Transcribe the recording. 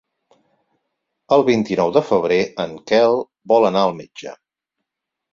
El vint-i-nou de febrer en Quel vol anar al metge.